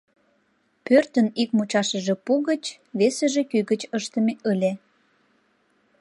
Пӧртын ик мучашыже пу гыч, весыже кӱ гыч ыштыме ыле.